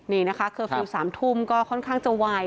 นี่นะคะคือ๓ทุ่มก็ค่อนข้างจะไว